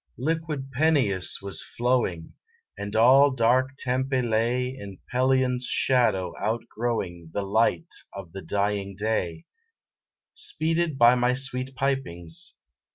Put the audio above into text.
Liquid Peneus was flowing, And all dark Tempe lay In Pelion's shadow outgrowing The light of the dying day, [291 RAINBOW GOLD Speeded by my sweet pipings.